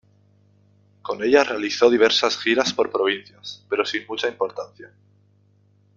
Con ella realizó diversas giras por provincias, pero sin mucha importancia.